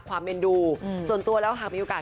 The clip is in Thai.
เมนดูส่วนตัวแล้วหากมีโอกาส